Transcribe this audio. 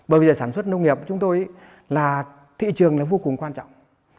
bởi vì sản xuất nông nghiệp của chúng tôi là thị trường là vô cùng quan trọng